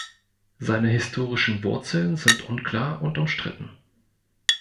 Seine historischen Wurzeln sind unklar und umstritten.